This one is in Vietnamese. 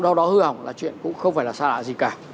do đó hư hỏng là chuyện cũng không phải là xa lạ gì cả